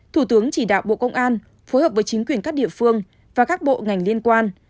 thủ tướng chỉ đạo bộ công an phối hợp với chính quyền các địa phương và các bộ ngành liên quan